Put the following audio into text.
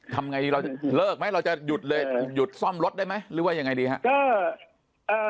ทำไงดีเราจะเลิกไหมเราจะหยุดซ่อมรถได้ไหมหรือว่าอย่างไรดีครับ